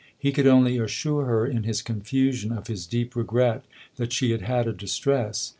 He could only assure her, in his confusion, of his deep regret that she had had a distress.